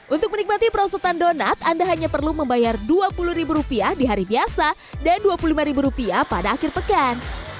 untuk menikmati perosotan donat anda hanya perlu membayar dua puluh ribu rupiah di hari biasa dan dua puluh lima ribu rupiah pada akhir pekan